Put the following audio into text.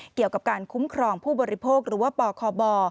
เกี่ยวกับการคุ้มครองผู้บริโภคหรือว่าปคบ